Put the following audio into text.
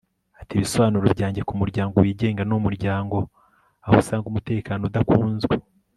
ati ibisobanuro byanjye ku muryango wigenga ni umuryango aho usanga umutekano udakunzwe